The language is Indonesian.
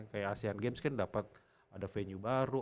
kayak asean games kan dapat ada venue baru